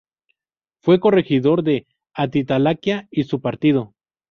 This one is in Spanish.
Fue corregidor de Atitalaquia y su partido.